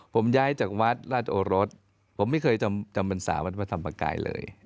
ผมย้ายจากวัดราชโอรสผมไม่เคยจำบรรษาวัดพระธรรมกายเลย